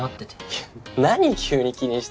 いや何急に気にしてんだよ。